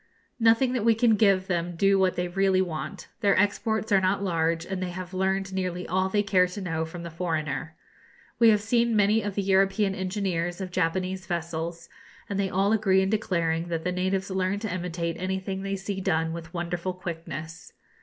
Nothing that we can give them do they really want; their exports are not large; and they have learned nearly all they care to know from the foreigner. We have seen many of the European engineers of Japanese vessels, and they all agree in declaring that the natives learn to imitate anything they see done with wonderful quickness.